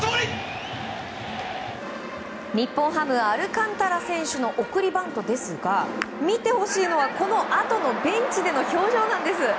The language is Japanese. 日本ハム、アルカンタラ選手の送りバントですが見てほしいのはこのあとのベンチでの表情なんです。